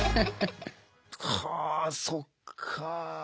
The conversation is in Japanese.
はあそっか。